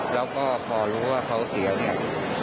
แล้วก็พอรู้ว่าเขาเสียเนี่ย